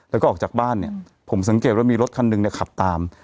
แล้วก็ออกจากบ้านเนี่ยผมสังเกตว่ามีรถคันหนึ่งเนี่ยขับตาม